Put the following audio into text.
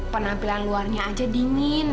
penampilan luarnya aja dingin